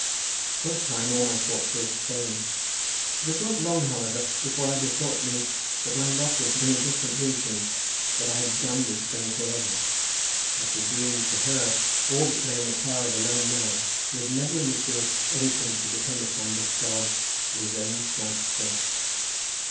For a time all my thoughts were of Spain. It was not long, however, before I bethought me that my lot was now in a different region, that I had done with Spain for ever, after doing for her all that lay in the power of a lone man, who had never in this world anything to depend upon, but God and his own slight strength.